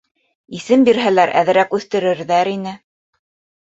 Исем бирһәләр, әҙерәк үҫтерерҙәр ине.